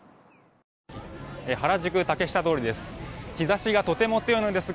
原宿・竹下通りです。